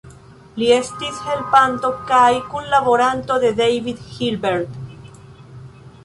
Li estis helpanto kaj kunlaboranto de David Hilbert.